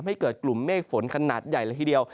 ให้เกิดกลุ่มเมฆฝนขนาดใหญ่ละทีเดียว